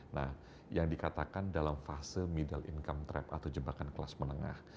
nah yang dikatakan dalam fase middle income trap atau jebakan kelas menengah